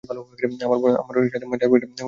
আমার আম্মুর মাজা আর পিঠ অনেক ব্যথা করে।